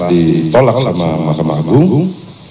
ditolak sama mahkamah agung